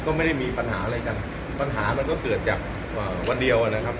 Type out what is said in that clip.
ก็ไม่ได้มีปัญหาอะไรกันปัญหามันก็เกิดจากวันเดียวนะครับ